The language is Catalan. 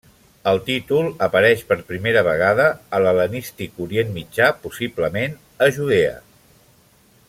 El títol apareix per primera vegada a l'hel·lenístic Orient Mitjà, possiblement a Judea.